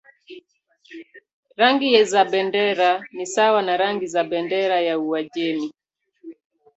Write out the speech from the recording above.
Rangi za bendera ni sawa na rangi za bendera ya Uajemi.